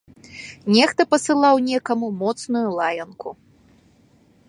Нехта пасылаў некаму моцную лаянку.